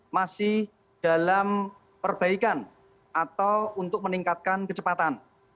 masih dalam perbaikan atau untuk meningkatkan kecepatan